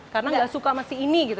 karena tidak suka dengan si ini gitu